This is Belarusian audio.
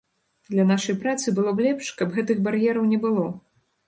Для нашай працы было б лепш, каб гэтых бар'ераў не было.